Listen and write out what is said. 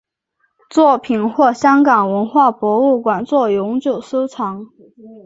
作品获香港文化博物馆作永久收藏。